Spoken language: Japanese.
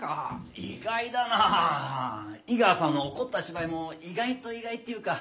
井川さんの怒った芝居も意外と意外っていうか。